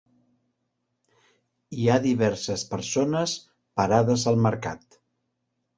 Hi ha diverses persones parades al mercat.